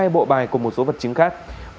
một mươi hai bộ bài cùng một số vật chứng khác